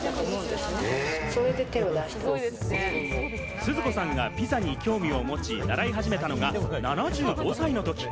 スズ子さんがピザに興味を持ち、習い始めたのが７５歳のとき。